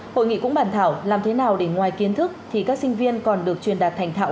hội nghị cũng bàn thảo làm thế nào để ngoài kiến thức thì các sinh viên còn được truyền đạt thành thạo